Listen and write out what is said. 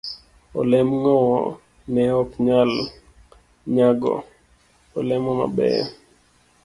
D. Olemb ng'owo ne ok nyal nyago olemo mabeyo.